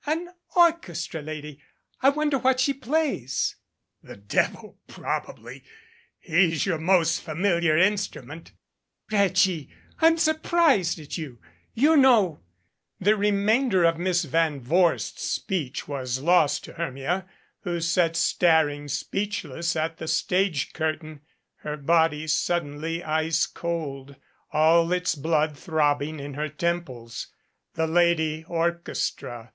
"An orchestra lady! I wonder what she plays ' "The devil probably he's your most familiar instru ment." "Reggie! I'm surprised at you. You know " The remainder of Miss Van Vorst's speech was lost to Hermia, who sat staring speechless at the stage cur tain, her body suddenly ice cold, all its blood throbbing in her temples. "The Lady Orchestra